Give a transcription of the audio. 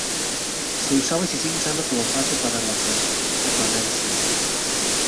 Se usaba y se sigue usando como paso para la trashumancia.